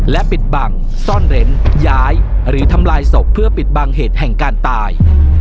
และปิดบังซ่อนเร้นย้ายหรือทำลายศพเพื่อปิดบังเหตุแห่งการตาย